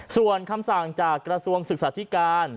ส่วนคำสั่งจากกระทรวงศึกษาธิการ